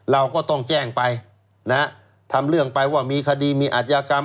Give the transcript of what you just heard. เราก็ต้องแจ้งไปนะฮะทำเรื่องไปว่ามีคดีมีอัธยากรรม